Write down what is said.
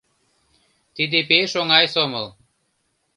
— Тиде пеш оҥай сомыл.